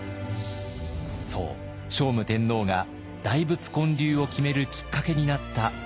そう聖武天皇が大仏建立を決めるきっかけになった「智識」です。